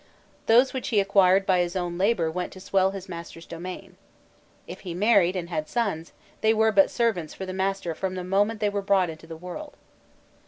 Those which he acquired by his own labour went to swell his master's domain. If he married and had sons, they were but servants for the master from the moment they were brought into the world.